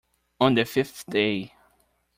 On the fifth day.